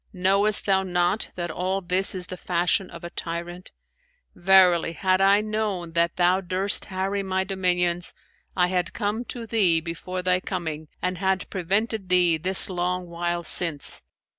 Knowest thou not that all this is the fashion of a tyrant! Verily, had I known that thou durst harry my dominions, I had come to thee before thy coming and had prevented thee this long while since.